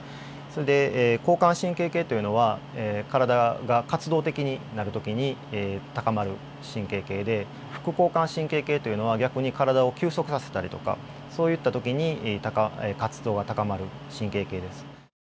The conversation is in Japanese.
それで交感神経系というのは体が活動的になるときに高まる神経系で副交感神経系というのは逆に体を休息させたりとかそういったときに活動が高まる神経系です。